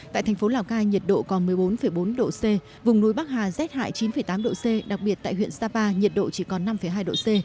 tại thành phố lào cai nhiệt độ còn một mươi bốn bốn độ c vùng núi bắc hà rét hại chín tám độ c đặc biệt tại huyện sapa nhiệt độ chỉ còn năm hai độ c